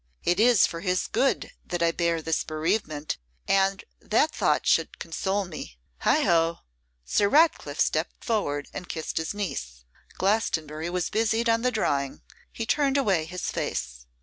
It is for his good that I bear this bereavement, and that thought should console me. Heigho!' Sir Ratcliffe stepped forward and kissed his niece. Glastonbury was busied on the drawing: he turned away his face.